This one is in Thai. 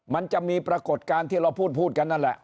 มันจะมีปรากฏการณ์ที่เราพูดกันนั่นแหละ